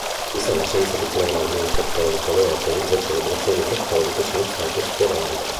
Vista l'assenza di clero armeno-cattolico a Leopoli, le celebrazioni cattoliche sono state sporadiche.